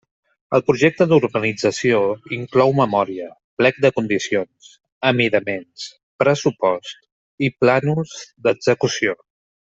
El projecte d'urbanització inclou memòria, plec de condicions, amidaments, pressupost i plànols d'execució.